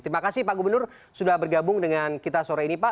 terima kasih pak gubernur sudah bergabung dengan kita sore ini pak